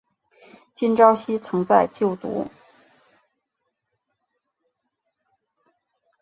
金昭希曾在就读。